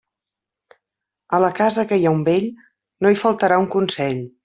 A la casa que hi ha un vell, no hi faltarà un consell.